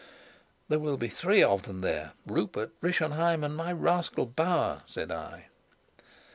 "There will be three of them there Rupert, Rischenheim, and my rascal Bauer," said I.